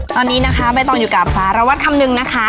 ตอนนี้นะคะใบตองอยู่กับสารวัตรคำนึงนะคะ